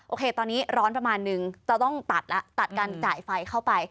โอเคตอนนี้ร้อนประมาณนึงจะต้องตัดแล้วตัดการจ่ายไฟเข้าไป